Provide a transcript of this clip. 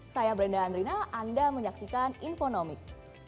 saya brenda andrina anda menyaksikan infonomik